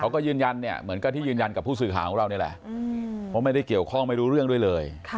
เขาก็ยืนยันเนี่ยเหมือนกับที่ยืนยันกับผู้สื่อข่าวของเรานี่แหละเพราะไม่ได้เกี่ยวข้องไม่รู้เรื่องด้วยเลย